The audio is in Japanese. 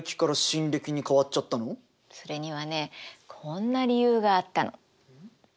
それにはねこんな理由があったの。